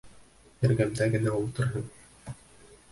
Эргәмдә генә ултырһын.